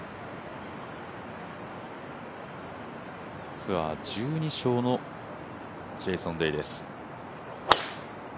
ツアー１２勝のジェイソン・デイです